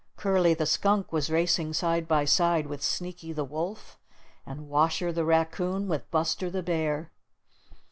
Curly the Skunk was racing side by side with Sneaky the Wolf, and Washer the Raccoon with Buster the Bear.